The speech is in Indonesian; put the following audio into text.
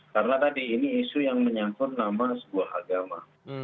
karena tadi ini isu yang menyangkut nama sebuah agama